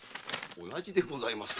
同じでございますなあ。